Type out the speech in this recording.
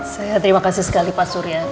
saya terima kasih sekali pak surya